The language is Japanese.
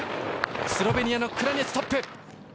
スロベニアのクラニェツ、トップ。